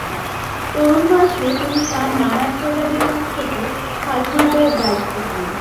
তরুণ বয়সে তিনি তাঁর নানার প্রজাদের কাছ থেকে খাজনা আদায়ের দায়িত্ব পান।